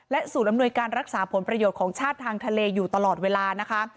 ศูนย์อำนวยการรักษาผลประโยชน์ของชาติทางทะเลอยู่ตลอดเวลานะคะ